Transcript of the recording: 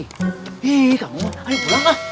hei kamu aduh pulanglah